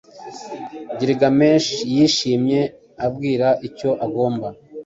Gilgamesh yishimyeabwira icyo agomba